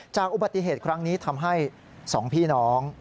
จากอุบัติเหตุครั้งนี้ทำให้๒พี่น้อง